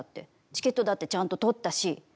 チケットだってちゃんと取ったし。